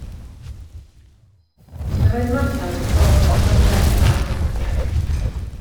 Roedd Martha wedi sôn wrthyn nhw am y ferch fach o India.